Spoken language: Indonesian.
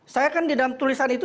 saya kan di dalam tulisan itu